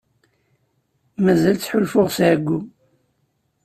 Mazal ttḥulfuɣ s ɛeyyu.